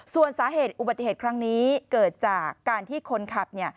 ส่วนสาเหตุอุบัติเหตุครั้งนี้เกิดจากการที่คนขับเนี่ย